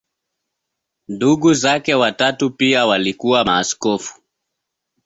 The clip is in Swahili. Ndugu zake watatu pia walikuwa maaskofu.